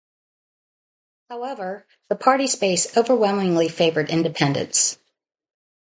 However, the party's base overwhelmingly favored independence.